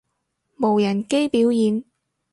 無人機表演